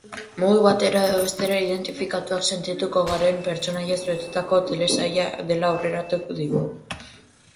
Modu batera edo bestera identifikatuak sentitutko garen pertsonaiez betetako telesaia dela aurreratu digu.